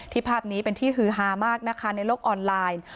ภาพนี้เป็นที่ฮือฮามากนะคะในโลกออนไลน์